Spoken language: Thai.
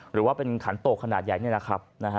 หรือว่าเป็นขันโตกขนาดใหญ่นี่แหละครับ